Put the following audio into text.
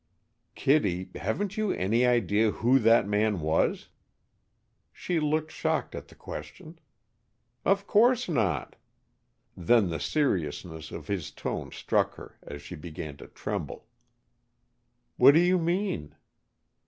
_" "Kittie, haven't you any idea who that man was?" She looked shocked at the question. "Of course not!" Then the seriousness of his tone struck her and she began to tremble. "What do you mean?"